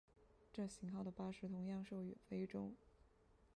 这型号的巴士同样售予非洲。